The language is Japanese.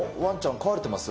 飼われてますよ。